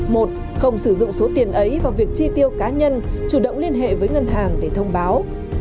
một không sử dụng số tiền ấy vào việc chi tiêu cá nhân chủ động liên hệ với ngân hàng để thông báo